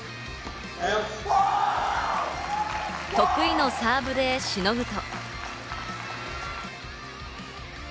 得意のサーブでしのぐと。